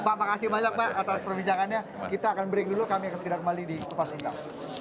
pak makasih banyak pak atas perbincangannya kita akan break dulu kami akan segera kembali di kupas indah